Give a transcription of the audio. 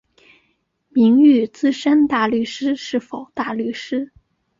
名誉资深大律师是否大律师？